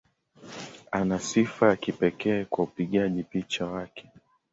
Ana sifa ya kipekee kwa upigaji picha wake.